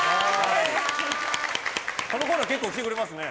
このコーナー結構来てくれますね。